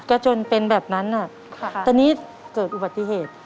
ก็จนเป็นแบบนั้นตอนนี้เกิดอุบัติเหตุ